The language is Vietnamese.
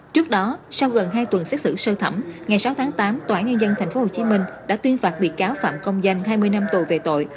trước đó sau gần hai tuần xét xử sơ thẩm ngày sáu tháng tám tòa án nhân dân tp hcm đã tuyên phạt bị cáo phạm công danh hai mươi năm tù về tội